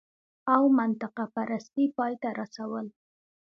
او منطقه پرستۍ پای ته رسول